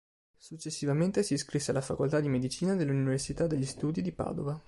Successivamente si iscrisse alla Facoltà di Medicina dell'Università degli Studi di Padova.